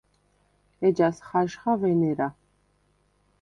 ეჯას ხაჟხა ვენერა.